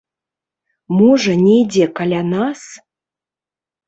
Можа, недзе каля нас?